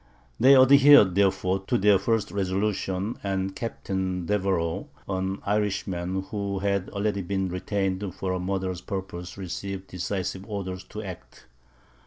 They adhered, therefore, to their first resolution, and Captain Deveroux, an Irishman, who had already been retained for the murderous purpose, received decisive orders to act.